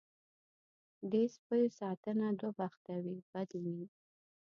دې سپیو ساتنه دوه بخته وي بد وي.